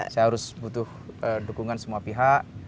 saya harus butuh dukungan semua pihak